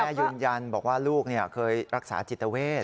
ยืนยันบอกว่าลูกเคยรักษาจิตเวท